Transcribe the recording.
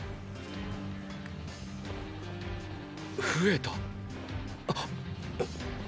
増えた？っ！